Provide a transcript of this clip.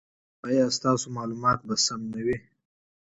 ایا ستاسو معلومات به دقیق نه وي؟